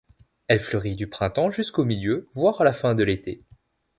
Elle fleurit du printemps jusqu'au milieu, voire à la fin de l'été.